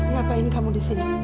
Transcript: ngapain kamu disini